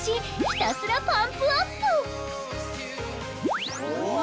ひたすらパンプアップうわ！